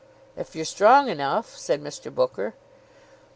"If you're strong enough," said Mr. Booker.